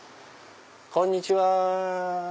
こんにちは！